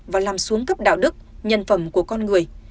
và làm xuống cấp đạo đức nhân phẩm của con người